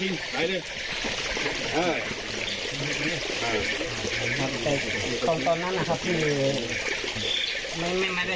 หน่อยเลยตอนนั้นนะครับคือเรือนนอนนอนเรือน